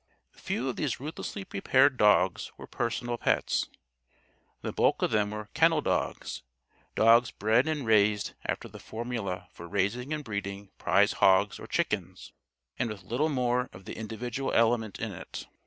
Few of these ruthlessly "prepared" dogs were personal pets. The bulk of them were "kennel dogs" dogs bred and raised after the formula for raising and breeding prize hogs or chickens, and with little more of the individual element in it.